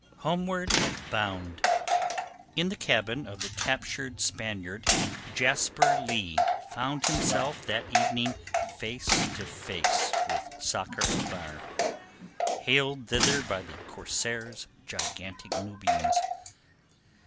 HOMEWARD BOUND In the cabin of the captured Spaniard, Jasper Leigh found himself that evening face to face with Sakr el Bahr, haled thither by the corsair's gigantic Nubians.